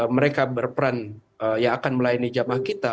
mereka berperan yang akan melayani jamaah kita